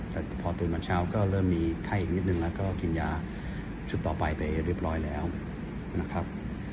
แต่พอตื่นมาเช้าก็เริ่มมีไข้อีกนิดนึงแล้วก็กินยาชุดต่อไปไปเรียบร้อยแล้วนะครับ